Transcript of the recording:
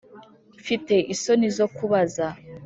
mfite isoni zo kubaza,